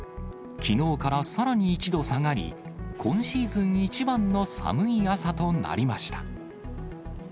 きのうからさらに１度下がり、今シーズン一番の寒い朝となりました。